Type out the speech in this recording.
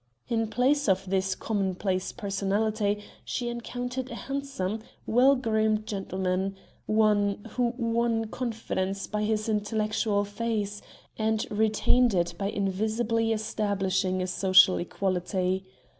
In place of this commonplace personality, she encountered a handsome, well groomed gentleman one who won confidence by his intellectual face, and retained it by invisibly establishing a social equality.